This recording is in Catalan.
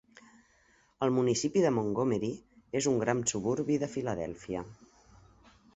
El municipi de Montgomery és un gran suburbi de Filadèlfia.